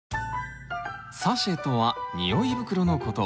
サシェとは匂い袋の事。